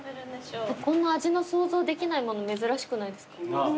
こんな味の想像できないもの珍しくないですか？